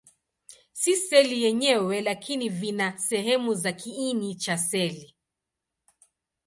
Si seli yenyewe, lakini vina sehemu za kiini cha seli.